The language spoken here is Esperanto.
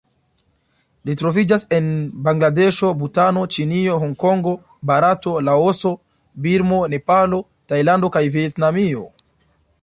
Ĝi troviĝas en Bangladeŝo, Butano, Ĉinio, Hongkongo, Barato, Laoso, Birmo, Nepalo, Tajlando kaj Vjetnamio.